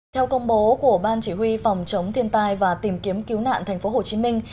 theo công bố của ban chỉ huy phòng chống thiên tai và tìm kiếm cứu nạn thành phố hồ chí minh